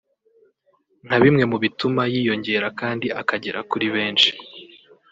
nka bimwe mu bituma yiyongera kandi akagera kuri benshi